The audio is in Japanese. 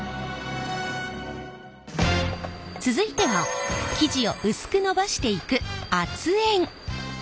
続いては生地を薄く延ばしていく圧延。